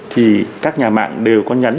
thì các nhà mạng đều có nhắn